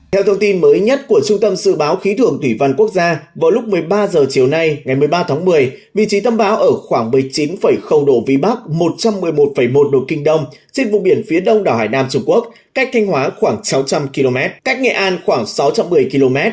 theo thông tin mới nhất của trung tâm sự báo khí thưởng thủy văn quốc gia vào lúc một mươi ba h chiều nay ngày một mươi ba tháng một mươi vị trí tâm báo ở khoảng bảy mươi chín độ vn một trăm một mươi một một độ k trên vùng biển phía đông đảo hải nam trung quốc cách thanh hóa khoảng sáu trăm linh km cách nghệ an khoảng sáu trăm một mươi km